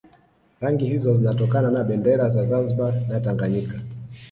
Rangi hizo zinatokana na bendera za Zanzibar na Tanganyika